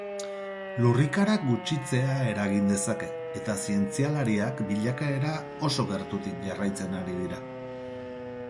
Lurrikarak gutxitzea eragin dezake eta zientzialariak bilakaera oso gertutik jarraitzen ari dria.